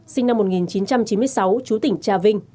sinh năm một nghìn chín trăm chín mươi sáu chú tỉnh trà vinh